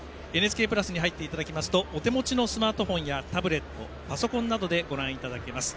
ＮＨＫプラスに入っていただきますとお手持ちのスマートフォンやタブレットパソコンなどでご覧いただけます。